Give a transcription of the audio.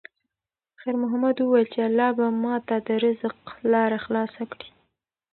خیر محمد وویل چې الله به ماته د رزق لاره خلاصه کړي.